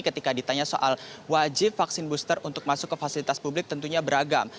ketika ditanya soal wajib vaksin booster untuk masuk ke fasilitas publik tentunya beragam